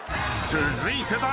［続いて］